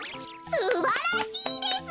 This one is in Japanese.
すばらしいです。